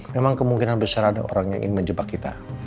memang kemungkinan besar ada orang yang ingin menjebak kita